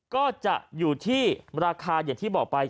ก็จะอยู่ที่ราคาอย่างที่บอกไป